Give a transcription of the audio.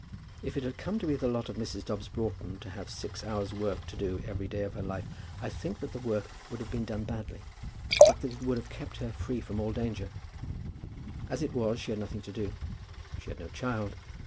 If it had come to be the lot of Mrs. Dobbs Broughton to have six hours' work to do every day of her life, I think that the work would have been done badly, but that it would have kept her free from all danger. As it was she had nothing to do. She had no child.